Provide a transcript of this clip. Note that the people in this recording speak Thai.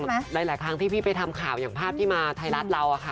หลายครั้งที่พี่ไปทำข่าวอย่างภาพที่มาไทยรัฐเราอะค่ะ